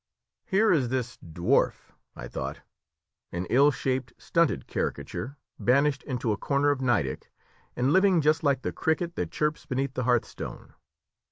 "Here is this dwarf," I thought, "an ill shaped, stunted caricature, banished into a corner of Nideck, and living just like the cricket that chirps beneath the hearthstone.